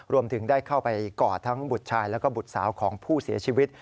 รวมถึงได้เข้าไปกอดทั้งบุตรชายแล้วก็บุตรสาวของผู้เสียชีวิต